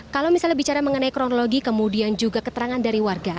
kalau misalnya bicara mengenai kronologi kemudian juga keterangan dari warga